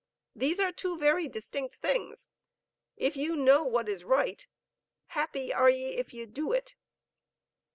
These are two very distinct things. If you know what is right, happy are ye if ye do it.